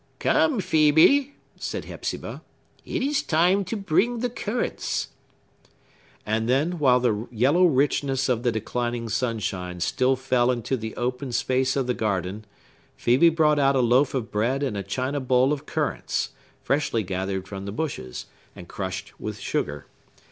"Come, Phœbe," said Hepzibah, "it is time to bring the currants." And then, while the yellow richness of the declining sunshine still fell into the open space of the garden, Phœbe brought out a loaf of bread and a china bowl of currants, freshly gathered from the bushes, and crushed with sugar.